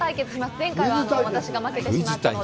前回は私が負けてしまったので。